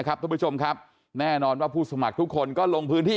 ทุกผู้ชมครับแน่นอนว่าผู้สมัครทุกคนก็ลงพื้นที่